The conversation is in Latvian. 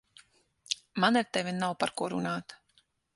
Man ar tevi nav par ko runāt.